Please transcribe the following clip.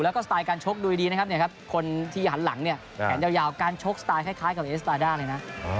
แล้วก็สไตล์การชกดูดีนะครับเนี่ยครับคนที่หันหลังเนี่ยแขนยาวการชกสไตล์คล้ายกับเอสตาด้าเลยนะ